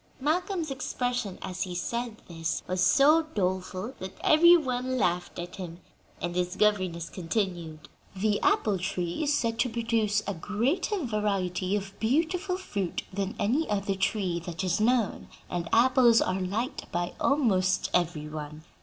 Malcolm's expression, as he said this, was so doleful that every one laughed at him; and his governess continued: "The apple tree is said to produce a greater variety of beautiful fruit than any other tree that is known, and apples are liked by almost every one.